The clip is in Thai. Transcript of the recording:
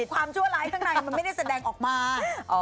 ชั่วร้ายข้างในมันไม่ได้แสดงออกมา